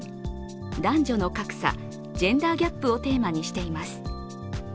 男女の格差＝ジェンダーギャップをテーマにしています。